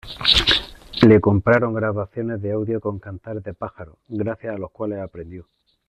Le compraron grabaciones de audio con cantares de pájaros, gracias a los cuales aprendió.